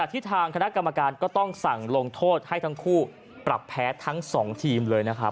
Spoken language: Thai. ที่ทางคณะกรรมการก็ต้องสั่งลงโทษให้ทั้งคู่ปรับแพ้ทั้ง๒ทีมเลยนะครับ